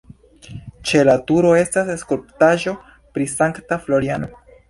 Ĉe la turo estas skulptaĵo pri Sankta Floriano.